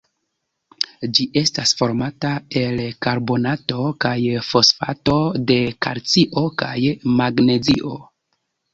Ĝi estas formata el karbonato kaj fosfato de kalcio kaj magnezio.